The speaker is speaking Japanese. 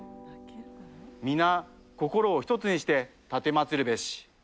皆、心をひとつにして、奉るべし。